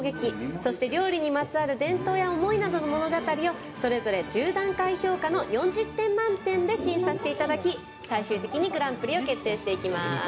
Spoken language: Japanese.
そして、料理にまつわる伝統や思いなどの物語をそれぞれ１０段階評価の４０点満点で審査していただき最終的にグランプリを決定していきます。